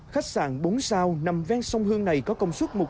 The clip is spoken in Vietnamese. khách sạn bốn sao nằm ven sông hương này có công suất một trăm hai mươi phòng